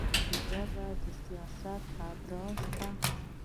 ژبه د سیاست ابزار ده